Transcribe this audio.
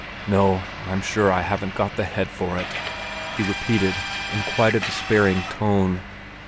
No, I'm sure I haven't got the head for it," he repeated in quite a despairing tone.